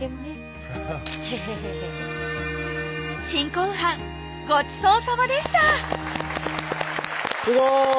新婚飯ごちそうさまでしたすごい！